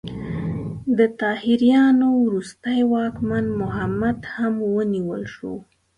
د طاهریانو وروستی واکمن محمد هم ونیول شو.